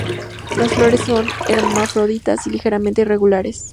Las flores son hermafroditas y ligeramente irregulares.